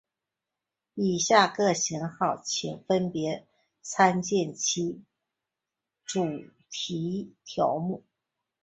以下各型号请分别参见其主题条目。